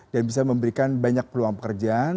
dan bisa memberikan banyak peluang pekerjaan